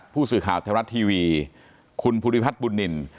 ผู้สื่อข่าวไทยรัฐทีวีคุณภูริพัฒน์บุญนิน